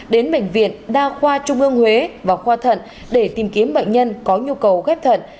đến bệnh viện đa khoa trung ương huế và khoa thận để tìm kiếm bệnh nhân có nhu cầu ghép thận